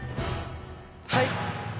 はい。